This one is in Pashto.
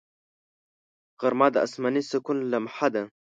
غرمه د آسماني سکون لمحه ده